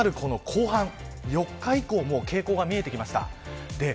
気になる後半、４日以降も傾向が見えてきました。